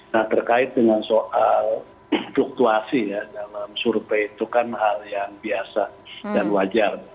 nah terkait dengan soal fluktuasi ya dalam survei itu kan hal yang biasa dan wajar